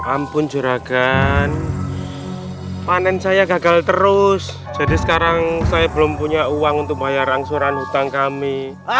ampun juragan panen saya gagal terus jadi sekarang saya belum punya uang untuk bayar angsuran hutang kami